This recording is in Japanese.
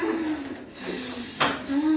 うん。